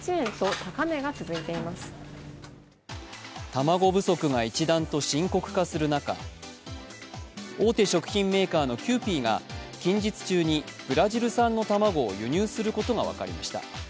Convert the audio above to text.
卵不足が一段と深刻化する中、大手食品メーカーのキユーピーが近日中にブラジル産の卵を輸入することが分かりました。